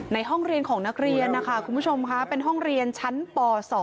ในห้องเรียนของนักเรียนนะคะคุณผู้ชมค่ะเป็นห้องเรียนชั้นป๒